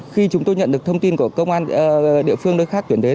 khi chúng tôi nhận được thông tin của công an địa phương nơi khác tuyển đến